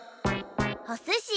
おすし？